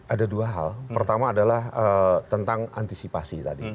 ada dua hal pertama adalah tentang antisipasi tadi